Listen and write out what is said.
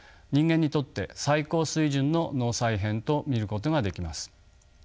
人間にとって最高水準の脳再編と見ることができます。